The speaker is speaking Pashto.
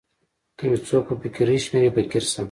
که می څوک په فقیری شمېري فقیر سم.